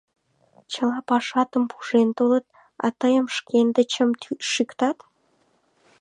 — Чыла пашатым пужен толыт, а Тыйым шкендычым шӱктат.